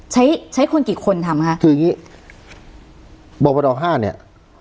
ใช้ใช้คนกี่คนทำคะคืออย่างงี้บดห้าเนี่ย